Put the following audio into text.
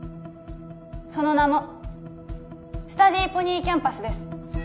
その名もスタディーポニーキャンパスです